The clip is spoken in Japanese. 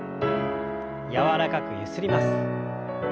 柔らかくゆすります。